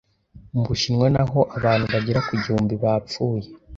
mu Bushinwa naho abantu bagera ku gihumbi bapfuye